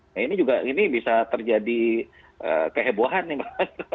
nah ini juga ini bisa terjadi kehebohan nih mbak